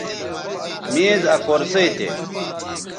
میز آ کرسئ تھے